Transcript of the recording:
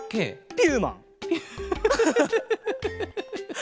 ピューマン。